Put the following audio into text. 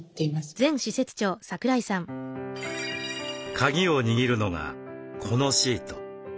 カギを握るのがこのシート。